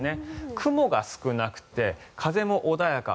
雲が少なくて風も穏やか。